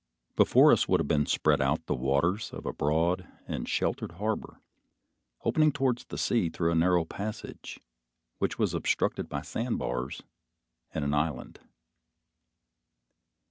Before us would have been spread out the waters of a broad and sheltered harbor opening towards the sea through a narrow passage which was obstructed by sandbars and an island.